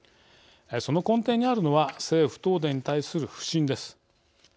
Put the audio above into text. その根底にあるのは政府・東電に対する不信です。